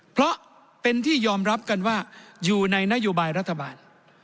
เพราะเป็นที่ยอมรับกันว่าอยู่ในนโยบายรัฐบาล